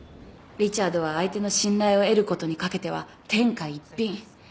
リチャードは相手の信頼を得ることにかけては天下一品。